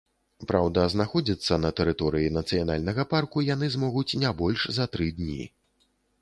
Праўда, знаходзіцца на тэрыторыі нацыянальнага парку яны змогуць не больш за тры дні.